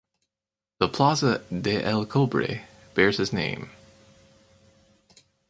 The Plaza de El Cobre bears his name.